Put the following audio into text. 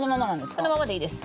このままでいいです。